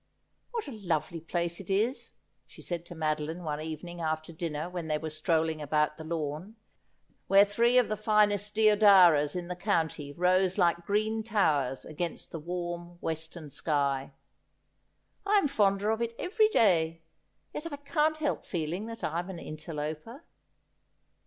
' What a lovely place it is !' she said to Madeline, one evening after dinner, when they were strolling about the lawn, where three of the finest deodaras in the county rose like green towers against the warm western sky ;' I am fonder of it every day, yet I can't help feeling that I'm an interloper.'